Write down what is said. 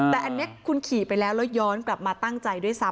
แต่อันนี้คุณขี่ไปแล้วแล้วย้อนกลับมาตั้งใจด้วยซ้ำ